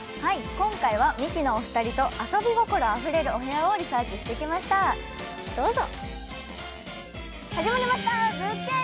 今回はミキのお二人と遊び心あふれるお部屋をリサーチしてきました、どうぞ。